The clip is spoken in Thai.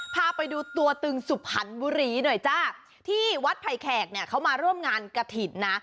พาไปดูตัวตึงสุพรรณบุรีหน่อยจ้าที่วัดไผ่แขกเนี่ยเขามาร่วมงานกระถิ่นนะ